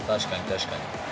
確かに。